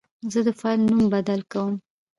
زه د فایل نوم بدل کوم.